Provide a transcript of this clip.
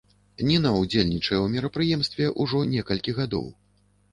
Ніна ўдзельнічае ў мерапрыемстве ўжо некалькі гадоў.